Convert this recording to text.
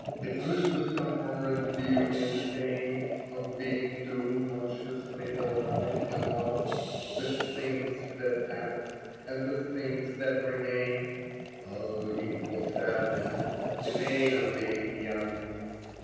... A truce to summer and beauty and the pain Of being too consciously alive among The things that pass and the things that remain, (Oh, equal sadness !) the pain of being young.